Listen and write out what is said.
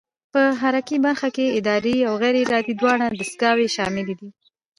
په حرکي برخه کې ارادي او غیر ارادي دواړه دستګاوې شاملې دي.